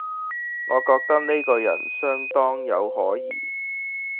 我覺得呢個人相當有可疑